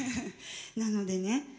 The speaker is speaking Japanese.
なのでね